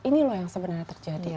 ini loh yang sebenarnya terjadi